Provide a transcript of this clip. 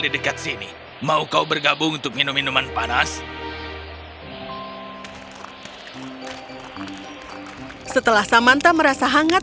di dekat sini mau kau bergabung untuk minum minuman panas setelah samanta merasa hangat